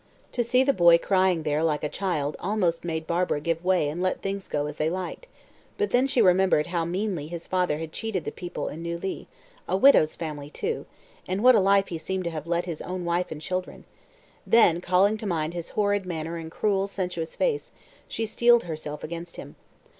To see the boy crying there like a child almost made Barbara give way and let things go as they liked; but then she remembered how meanly his father had cheated the people in Neuilly a widow's family too and what a life he seemed to have led his own wife and children; then, calling to mind his horrid manner and cruel, sensuous face, she steeled herself against him.